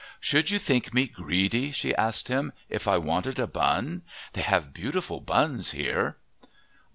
"Should you think me greedy," she asked him, "if I wanted a bun? They have beautiful buns here!"